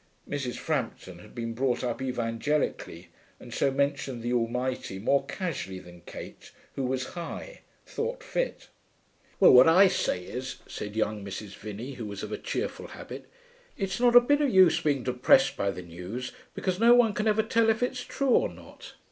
(Mrs. Frampton had been brought up evangelically, and so mentioned the Almighty more casually than Kate, who was High, thought fit.) 'Well, what I say is,' said young Mrs. Vinney, who was of a cheerful habit, 'it's not a bit of use being depressed by the news, because no one can ever tell if it's true or not.